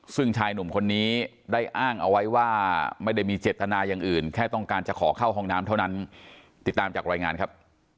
ซึ่งชายหนุ่มคนนี้ได้อ้างเอาไว้ว่าไม่ได้มีเจตนาอย่างอื่นแค่ต้องการจะขอเข้าห้องน้ำเท่านั้นติดตามจากรายงานครับ